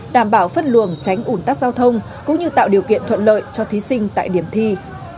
đảm bảo phân luồng tránh ủn tắc giao thông cũng như tạo điều kiện thuận lợi cho thí sinh tại điểm thi